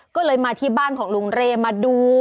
ก็เลยมาที่บ้านของลุงเร่มาดู